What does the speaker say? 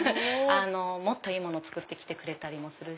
もっといいもの作ってきてくれたりもするし。